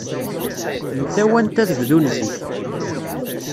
Mtawant ad bdun zik.